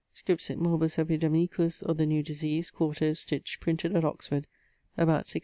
Scripsit Morbus epidemicus, or the new desease, 4to, stitch't, printed at Oxford about 1643.